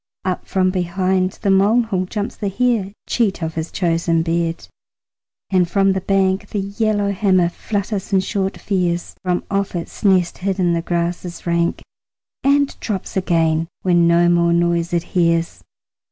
Up from behind the molehill jumps the hare, Cheat of his chosen bed, and from the bank The yellowhammer flutters in short fears From off its nest hid in the grasses rank, And drops again when no more noise it hears.